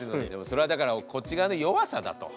それはだからこっち側の弱さだと。